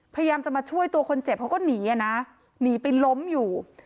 พยายามจะมาช่วยตัวคนเจ็บเขาก็หนีอ่ะนะหนีไปล้มอยู่